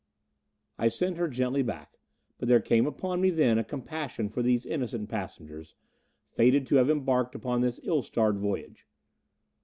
I sent her gently back. But there came upon me then a compassion for these innocent passengers, fated to have embarked upon this ill starred voyage.